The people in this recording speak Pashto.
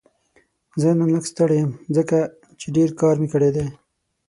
زه نن لږ ستړی یم ځکه چې ډېر کار مې کړی دی